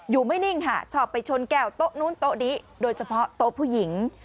ไม่นิ่งค่ะชอบไปชนแก้วโต๊ะนู้นโต๊ะนี้โดยเฉพาะโต๊ะผู้หญิง